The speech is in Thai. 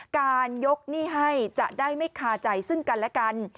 การยกหนี้ให้จะได้ไม่คาใจซึ่งกันและกัน